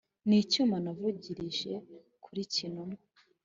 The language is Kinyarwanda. N’ icyuma navugirije kuri Cyinuma.